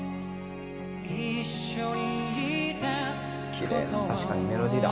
「キレイな確かにメロディーだ」